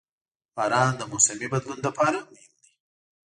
• باران د موسمي بدلون لپاره مهم دی.